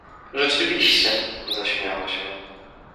— Rzeczywiście! — zaśmiała się.